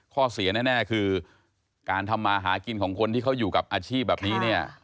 ข้อเสียแน่คือการทำมาหากินของคนที่เขาอยู่กับอาชีพแบบนี้เนี่ย